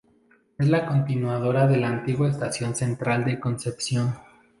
Es la continuadora de la Antigua Estación Central de Concepción.